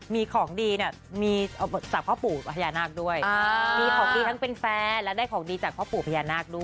มีของดีเนี่ย